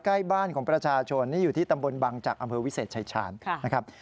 ใกล้บ้านของประชาชนนี่อยู่ที่ตำบลบังจักรอำเภอวิเศษชายชาญนะครับ